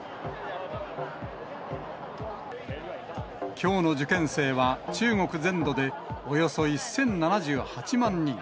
きょうの受験生は、中国全土でおよそ１０７８万人。